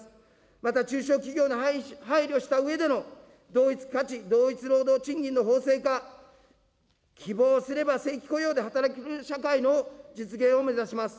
また中小企業の配慮したうえでの、同一価値同一労働同一賃金の法制化、希望すれば正規雇用で働ける社会の実現を目指します。